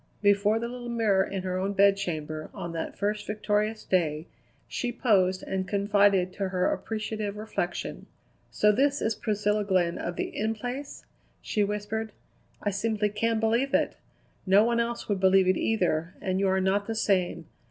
Before the little mirror in her own bedchamber, on that first victorious day, she posed and confided to her appreciative reflection. "So this is Priscilla Glenn of the In Place?" she whispered. "I simply can't believe it! No one else would believe it either; and you are not the same.